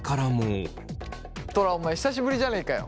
トラお前久しぶりじゃねえかよ。